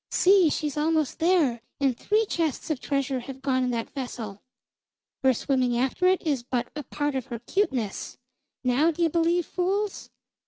"See, she's almost there, and three chests of treasure have gone in that vessel! Her swimming after it is but a part of her cuteness. Now d'ye believe, fools!"